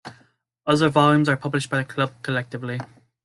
Other volumes are published by the Club collectively.